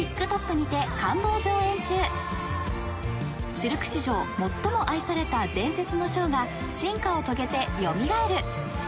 ［シルク史上最も愛された伝説のショーが進化を遂げて蘇る］